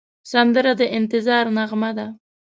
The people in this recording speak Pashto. سندره د انتظار نغمه ده